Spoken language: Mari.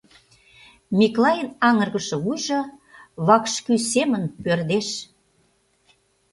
Миклайын аҥыргыше вуйжо вакшкӱ семын пӧрдеш.